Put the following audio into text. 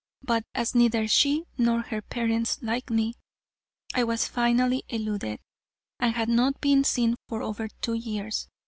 But as neither she nor her parents liked me, I was finally eluded, and had not been seen for over two years.